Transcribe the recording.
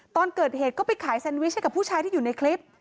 ตอนเกิดเหตุก็ไปขายแซนวิชให้กับผู้ชายที่อยู่ในคลิป